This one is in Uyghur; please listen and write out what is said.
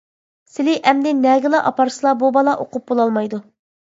-سىلى ئەمدى نەگىلا ئاپارسىلا بۇ بالا ئوقۇپ بولالمايدۇ.